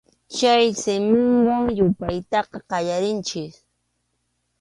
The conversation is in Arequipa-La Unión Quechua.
Chay simiwan yupaytaqa qallarinchik.